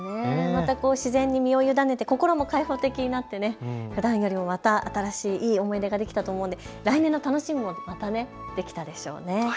自然に身を委ねて心も開放的になって、ふだんよりもいい思い出ができたと思うので来年の楽しみもできたでしょう。